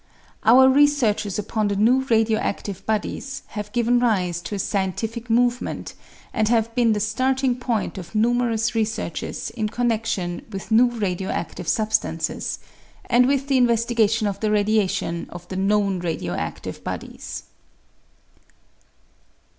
Our researches upon the new radio adive bodies have given rise to a scientific movement, and have been the starting point of numerous researches in connection with new radio adive substances, and with the investigation of the radiation of the known radio adive bodies.